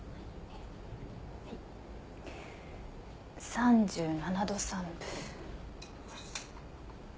３７度３分。